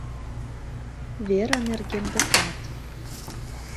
Вера нерген доклад.